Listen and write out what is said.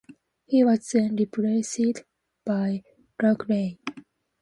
He was then replaced by Luke Ray.